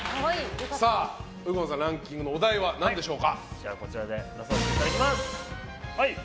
右近さん、ランキングのお題は何でしょうか。